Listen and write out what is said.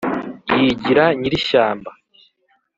Yigira nyirishyamba